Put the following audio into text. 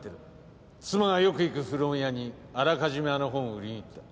妻がよく行く古本屋にあらかじめあの本を売りにいった。